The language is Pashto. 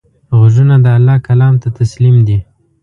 غوږونه د الله کلام ته تسلیم دي